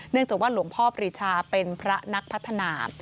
จากว่าหลวงพ่อปรีชาเป็นพระนักพัฒนา